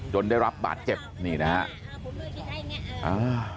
ได้รับบาดเจ็บนี่นะฮะ